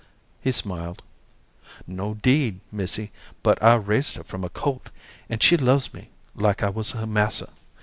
He smiled. "No, 'deed, missy, but I raised her from a colt, and she loves me like I wuz her massa.